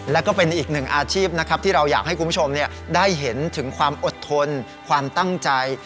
แล้วก็เป็นอีกหนึ่งอาชีพนะครับที่เราอยากให้คุณผู้ชมได้เห็นถึงความอดทนความตั้งใจ